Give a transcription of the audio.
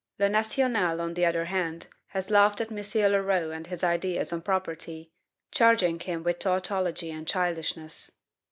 "Le National," on the other hand, has laughed at M. Leroux and his ideas on property, charging him with TAUTOLOGY and CHILDISHNESS.